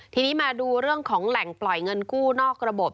ทีนี้มาดูเรื่องของแหล่งปล่อยเงินกู้นอกระบบ